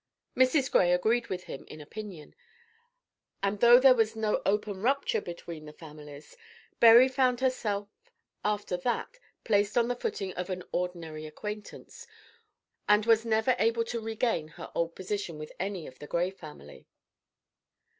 Mrs. Gray agreed with him in opinion; and though there was no open rupture between the families, Berry found herself after that placed on the footing of an ordinary acquaintance, and was never able to regain her old position with any of the Gray family.